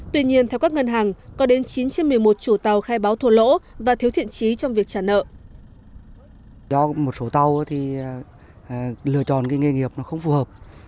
tuy nhiên theo các ngân hàng có đến chín trên một mươi một chủ tàu khai báo thua lỗ và thiếu thiện trí trong việc trả nợ